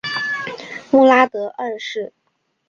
穆拉德二世。